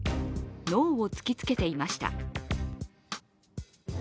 ノーを突きつけていました。